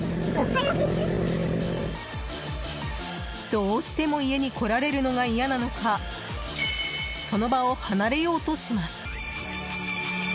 どうしても家に来られるのが嫌なのかその場を離れようとします。